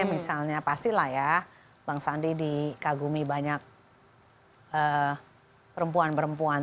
misalnya pastilah ya bang sandi dikagumi banyak perempuan perempuan